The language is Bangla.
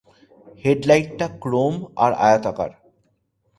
হেডলাইটটা ক্রোম আর আয়তাকার।